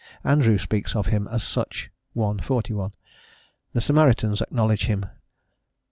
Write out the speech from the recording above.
Andrew speaks of him as such (i. 41); the Samaritans acknowledge him (iv.